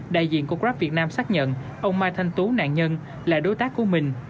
đại diện của grab việt nam xác nhận ông mai thanh tú nạn nhân là đối tác của mình